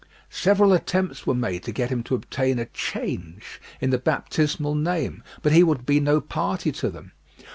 Several attempts were made to get him to obtain a change in the baptismal name, but he would be no party to them.